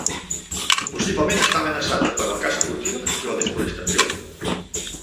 Possiblement està amenaçada per la caça furtiva i la desforestació.